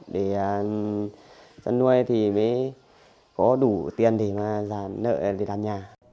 để dân nuôi thì mới có đủ tiền để mà giả nợ để làm nhà